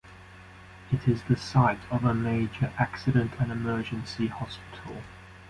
It is the site of a major Accident and Emergency hospital.